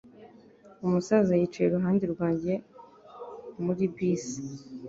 Umusaza yicaye iruhande rwanjye muri bisi.